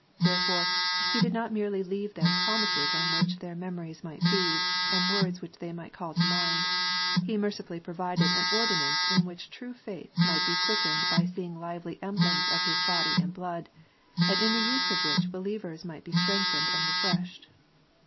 Therefore, He did not merely leave them promises on which their memories might feed, arid words which they might call to mind ; He mercifully provided an ordinance in which true faith might be quickened by seeing lively emblems of His body and blood, and in the use of which believers might be strengthened and refreshed.